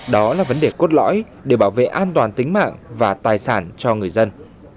đó là vấn đề cốt lõi để bảo vệ an toàn tính mạng và tài sản cho người dân